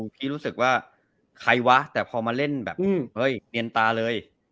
พี่รู้สึกว่าใครวะแต่พอมาเล่นแบบเฮ้ยเนียนตาเลย